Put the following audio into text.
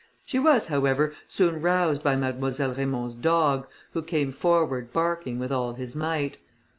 She was, however, soon roused by Mademoiselle Raymond's dog, who came forward barking with all his might.